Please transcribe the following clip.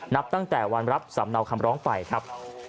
นับตั้งแต่วันรับสำเนาคำร้องไปครับ